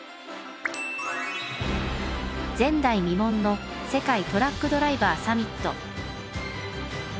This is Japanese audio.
前代未聞の世界トラックドライバーサミット。